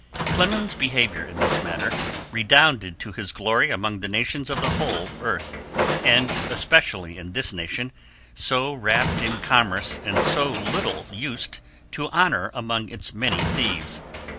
Clemens's behavior in this matter redounded to his glory among the nations of the whole earth, and especially in this nation, so wrapped in commerce and so little used to honor among its many thieves.